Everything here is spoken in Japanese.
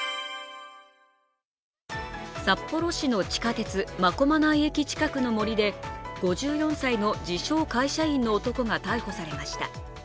札幌市の地下鉄、真駒内駅近くの森で５４歳の自称・会社員の男が逮捕されました。